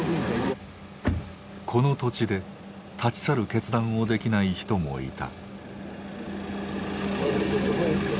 この土地で立ち去る決断をできない人もいた。